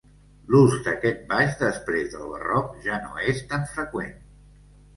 L'ús d'aquest baix després del barroc ja no és tan freqüent.